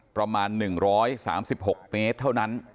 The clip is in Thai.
ประมาณ๑๓๖เมตรเท่านั้น